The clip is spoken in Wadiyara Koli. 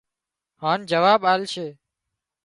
هانَ جواب آلشي